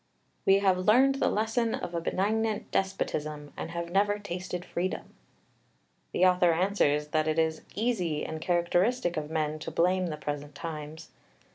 "We have learned the lesson of a benignant despotism, and have never tasted freedom." The author answers that it is easy and characteristic of men to blame the present times.